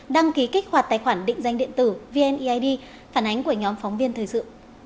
đăng ký kích hoạt tài khoản định danh điện tử vneid phản ánh của nhóm phóng viên thời sự